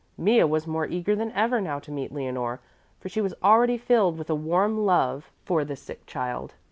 Mea was more eager than ever now to meet Leonore, for she was already filled with a warm love for the sick child.